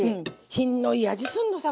品のいい味すんのさ